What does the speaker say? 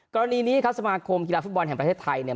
กรณีนี้ครับสมาคมกีฬาฟุตบอลแห่งประเทศไทยเนี่ย